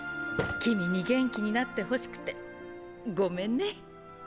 君に元気になってほしくてごめんね。